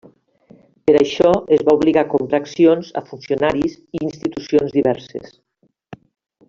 Per això, es va obligar a comprar accions a funcionaris i institucions diverses.